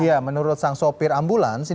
ya menurut sang sopir ambulans